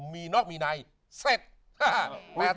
มีนอกมีในเสร็จ